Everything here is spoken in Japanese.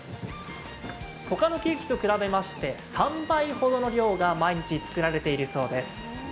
ほかのケーキと比べまして３倍ほどの量が毎日、作られているそうです。